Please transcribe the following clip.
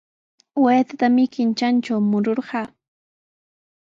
Waytatami qintrantraw mururqaa.